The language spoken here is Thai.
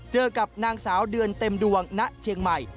เจอกับนางสาวเดือนเต็มดวงณเชียงใหม่